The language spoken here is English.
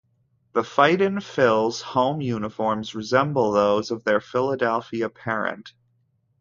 The Fightin Phils' home uniforms resemble those of their Philadelphia parent.